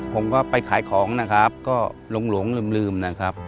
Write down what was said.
ผมก็ไปขายของนะครับก็หลงลืมนะครับ